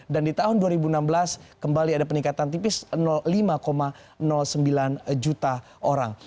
dan di tahun dua ribu enam belas kembali ada peningkatan tipis lima sembilan juta orang